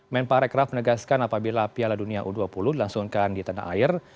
men parekraf menegaskan apabila piala dunia u dua puluh dilangsungkan di tanah air